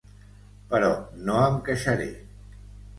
Però no em queixaré.